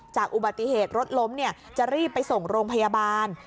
จากอุบัติเหตุรถล้มจะรีบไปส่งโรงพยาบาล